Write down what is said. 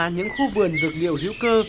những khu vườn dược liệu hữu cơ